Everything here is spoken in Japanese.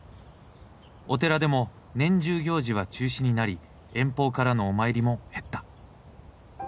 お寺でも年中行事は中止になり遠方からのお参りも減った。